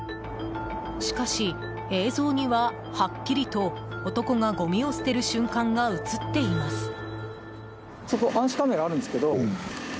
しかし映像には、はっきりと男がごみを捨てる瞬間が映っています。